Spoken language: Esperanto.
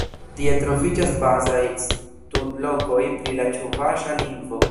Tie troviĝas bazaj studlokoj pri la ĉuvaŝa lingvo.